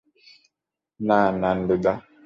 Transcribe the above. না, নান্দুদা।